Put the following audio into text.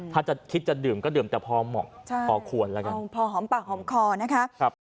ถ้าจะคิดจะดื่มก็ดื่มแต่พอเหมาะพอควรแล้วกันพอหอมปากหอมคอนะคะ